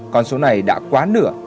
con số này đã quá nửa